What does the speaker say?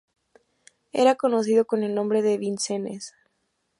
Era conocido con el nombre de "Vincennes".